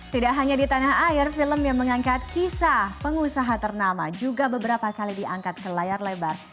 tidak hanya di tanah air film yang mengangkat kisah pengusaha ternama juga beberapa kali diangkat ke layar lebar